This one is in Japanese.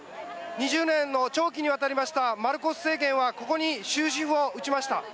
２０年の長期にわたりましたマルコス政権はここに終止符を打ちました。